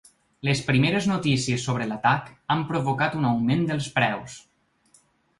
Les primeres notícies sobre l’atac han provocat un augment dels preus.